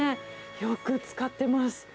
よくつかってます。